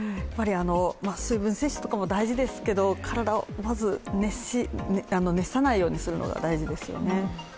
水分摂取も大事ですけど体も熱さないようにするのも大事ですよね。